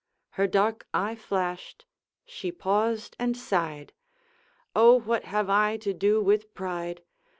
Her dark eye flashed; she paused and sighed: 'O what have I to do with pride!